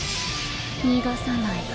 逃がさないの。